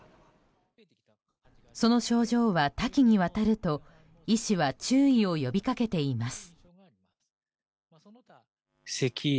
その症状は多岐にわたると医師は注意を呼びかけています。